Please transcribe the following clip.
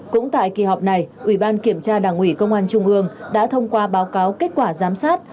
cũng tại kỳ họp này ủy ban kiểm tra đảng ủy công an trung ương đã thông qua báo cáo kết quả giám sát